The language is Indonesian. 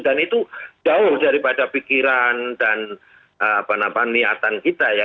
dan itu jauh daripada pikiran dan niatan kita ya